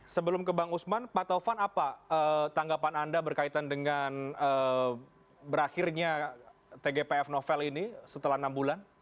sebelum ke bang usman pak taufan apa tanggapan anda berkaitan dengan berakhirnya tgpf novel ini setelah enam bulan